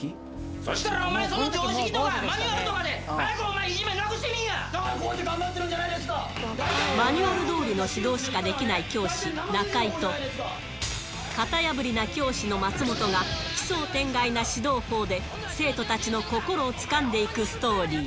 そしたら、お前その常識とかマニュアルとかで、早くお前、だからこうやって頑張ってるマニュアルどおりの指導しかできない教師、中居と、型破りな教師の松本が、奇想天外な指導法で生徒たちの心をつかんでいくストーリー。